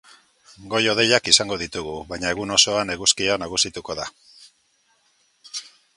Goi-hodeiak izango ditugu, baina egun osoan eguzkia nagusituko da.